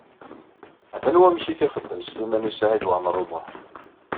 Atan wamek i t-ixeddem Sliman U Saɛid Waɛmaṛ U Muḥ.